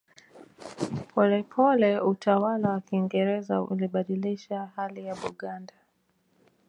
Polepole utawala wa Kiingereza ulibadilisha hali ya Buganda